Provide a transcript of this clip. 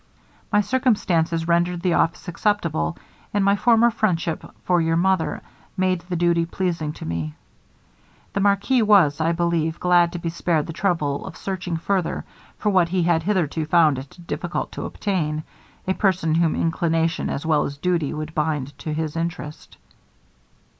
My circumstances rendered the office acceptable, and my former friendship for your mother made the duty pleasing to me. The marquis was, I believe, glad to be spared the trouble of searching further for what he had hitherto found it difficult to obtain a person whom inclination as well as duty would bind to his interest.'